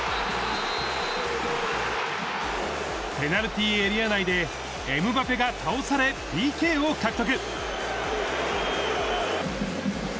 ペナルティーエリア内でエムバペが倒され、ＰＫを獲得。